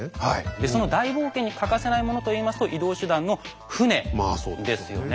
でその大冒険に欠かせないものといいますと移動手段の船ですよね。